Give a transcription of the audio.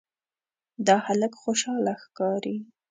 دا هلک خوشاله ښکاري.